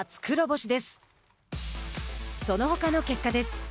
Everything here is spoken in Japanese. そのほかの結果です。